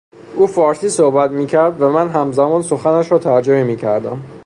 او فارسی صحبت میکرد و من همزمان سخنش را ترجمه میکردم.